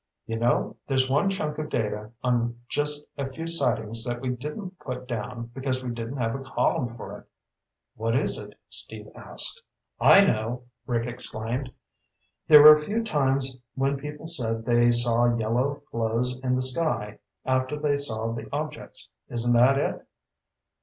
"You know, there's one chunk of data on just a few sightings that we didn't put down because we didn't have a column for it." "What is it?" Steve asked. "I know!" Rick exclaimed. "There were a few times when people said they saw yellow glows in the sky after they saw the objects. Isn't that it?"